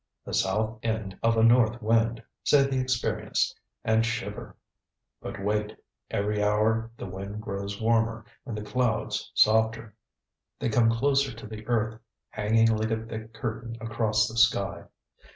"The south end of a north wind," say the experienced, and shiver. But wait. Every hour the wind grows warmer and the clouds softer. They come closer to the earth, hanging like a thick curtain across the sky.